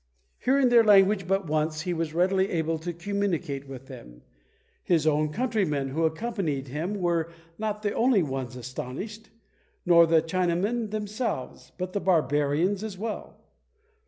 Hearing their language but once, he was readily able to communicate with them. His own countrymen who accompanied him were not the only ones astonished, nor the Chinamen themselves, but the barbarians as well.